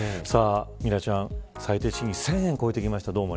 ミラちゃん、最低賃金１０００円を超えてきました。